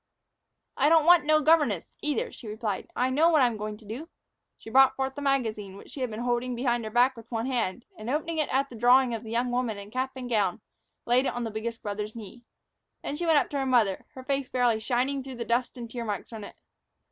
"I don't want no governess, either," she replied. "I know what I'm going to do." She brought forward the magazine, which she had been holding behind her back with one hand, and, opening it at the drawing of the young woman in cap and gown, laid it on the biggest brother's knee. Then she went up to her mother, her face fairly shining through the dust and tear marks on it.